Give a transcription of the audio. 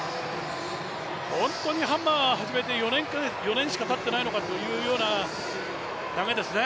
本当にハンマー始めて４年しかたっていないのかという投げですね。